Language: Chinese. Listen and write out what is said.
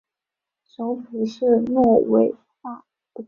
首府是诺维萨德。